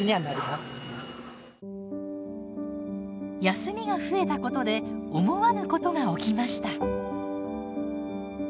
休みが増えたことで思わぬことが起きました。